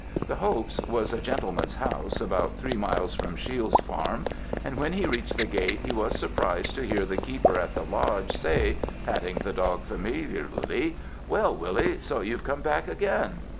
'The Hopes' was a gentleman's house, about three miles from Shiels' farm, and when he reached the gate, he was surprised to hear the keeper at the lodge say, patting the dog familiarly, "Well, Willie, so you've come back again?"